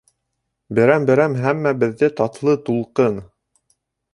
Берәм-берәм һәммәбеҙҙе татлы тулҡын.